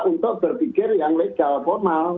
untuk berpikir yang legal formal